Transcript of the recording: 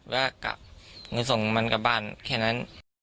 ว่ากลับหรือส่งมันกลับบ้านแค่นั้น